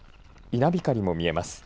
稲光も見えます。